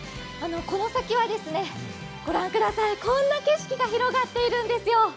この先はこんな景色が広がっているんですよ。